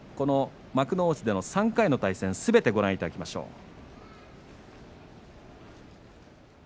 幕内での３回の対戦すべてご覧いただきましょう。